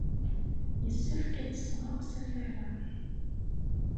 Yessefk ad d-sɣeɣ asafar-a.